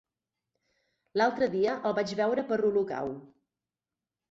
L'altre dia el vaig veure per Olocau.